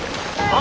あ！